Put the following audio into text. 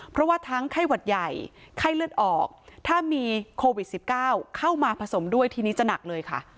เพราะว่าทั้งไข้หวัดใหญ่ไข้เลือดออกถ้ามีโควิด๑๙เข้ามาผสมด้วยทีนี้จะหนักเลยค่ะ